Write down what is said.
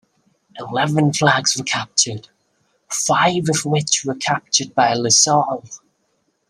Eleven flags were captured, five of which were captured by Lasalle.